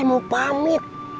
saya teh mau pamit